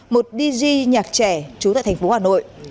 một dig nhạc trẻ trú tại thành phố hà nội